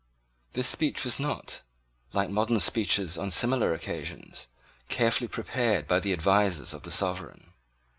This speech was not, like modern speeches on similar occasions, carefully prepared by the advisers of the sovereign.